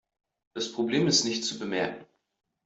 Das Problem ist nicht zu bemerken.